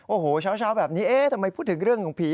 โอ้โหเช้าแบบนี้เอ๊ะทำไมพูดถึงเรื่องของผี